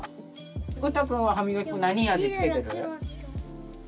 うたくんは歯みがき粉何味つけてる？